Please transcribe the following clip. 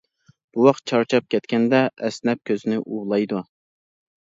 بوۋاق چارچاپ كەتكەندە ئەسنەپ كۆزىنى ئۇۋىلايدۇ.